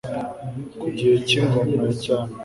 Ku gihe cy'Ingoma ya cyami